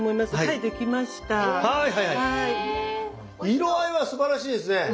色合いはすばらしいですね。